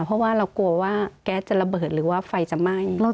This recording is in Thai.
เพราะว่าเรากลัวว่าแก๊สจะระเบิดหรือว่าไฟจะไหม้